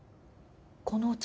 このお茶